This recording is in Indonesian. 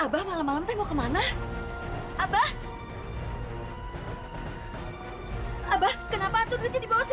dan membawa mereka ke dalam kegelapan